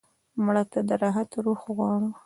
مړه ته د راحت روح غواړو